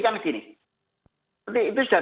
kami begini seperti itu sudah